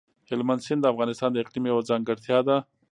هلمند سیند د افغانستان د اقلیم یوه ځانګړتیا ده.